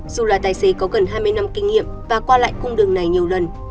dù là tài xế có gần hai mươi năm kinh nghiệm và qua lại cung đường này nhiều lần